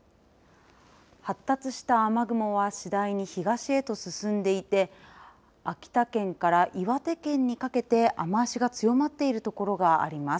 発達した雨雲は次第に東へと進んでいて秋田県から岩手県にかけて雨足が強まっている所があります。